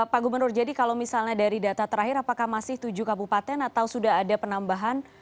pak gubernur jadi kalau misalnya dari data terakhir apakah masih tujuh kabupaten atau sudah ada penambahan